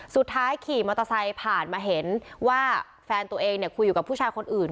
ขี่มอเตอร์ไซค์ผ่านมาเห็นว่าแฟนตัวเองเนี่ยคุยอยู่กับผู้ชายคนอื่น